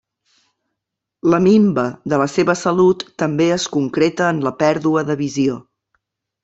La minva de la seva salut també es concreta en la pèrdua de visió.